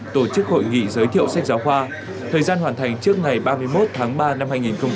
tổ chức hội nghị giới thiệu sách giáo khoa thời gian hoàn thành trước ngày ba mươi một tháng ba năm hai nghìn hai mươi